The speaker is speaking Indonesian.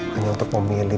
hanya untuk memilih